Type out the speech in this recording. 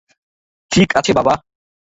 ঠিক আছে বাবা!